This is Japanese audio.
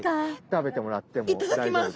食べてもらっても大丈夫です。